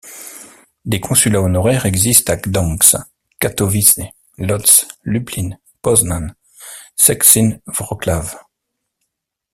Des consulats honoraires existent à Gdańsk, Katowice, Łódź, Lublin, Poznań, Szczecin Wrocław.